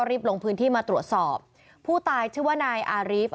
รีบลงพื้นที่มาตรวจสอบผู้ตายชื่อว่านายอารีฟ